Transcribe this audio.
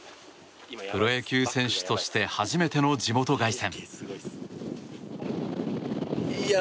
プロ野球選手として初めての地元凱旋。